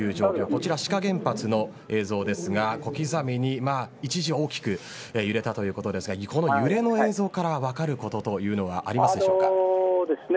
こちら志賀原発の映像ですが小刻みに、一時は大きく揺れたということですがこの揺れの映像から分かることあのですね。